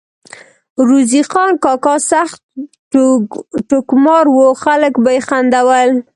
روزې خان کاکا سخت ټوکمار وو ، خلک به ئی خندول